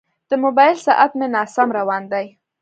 د موبایل ساعت مې ناسم روان دی.